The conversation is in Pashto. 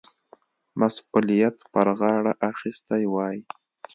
مسؤلیت پر غاړه اخیستی وای.